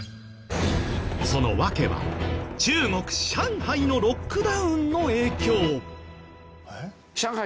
その訳は中国上海のロックダウンの影響。